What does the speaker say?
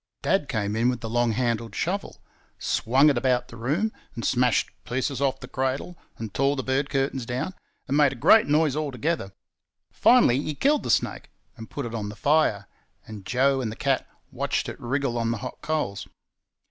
Dad came in with the long handled shovel, swung it about the room, and smashed pieces off the cradle, and tore the bed curtains down, and made a great noise altogether. Finally, he killed the snake and put it on the fire; and Joe and the cat watched it wriggle on the hot coals.